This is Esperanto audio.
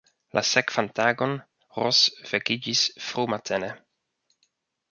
La sekvan tagon Ros vekiĝis frumatene.